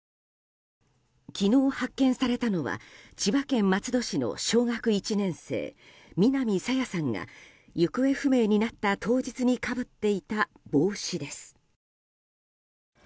昨日、発見されたのは千葉県松戸市の小学１年生南朝芽さんが行方不明になった当日にかぶっていた帽子です。